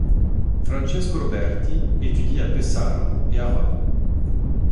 Francesco Roberti étudie à Pesaro et à Rome.